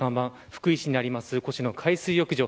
福井市にあります越廼海水浴場。